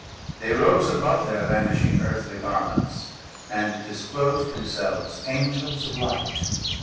They rose above their vanishing earthly garments, and disclosed themselves angels of light.